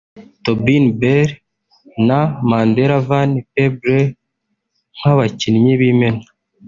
Tobin Bell na Mandela Van Peebles nk’abakinnyi b’imena